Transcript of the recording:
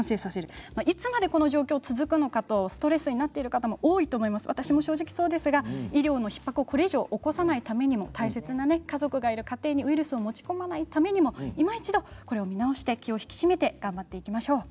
これがいつまで続くのかとストレスになっている方も多いと思いますが、私もそうですがこれ以上医療のひっ迫を起こさないためにも、大切な家族がいる家庭にウイルスを持ち込まないためにも今一度これを見直して対策を頑張っていきましょう。